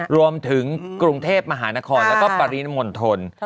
รวมถึงกรุงเทพมหานครแล้วก็ปริมณฑล